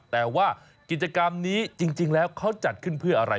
แต่ว่ากิจกรรมนี้จริงแล้วเขาจัดขึ้นเพื่ออะไร